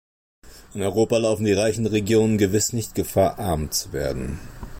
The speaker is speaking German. In Europa laufen die reichen Regionen gewiss nicht Gefahr, arm zu werden.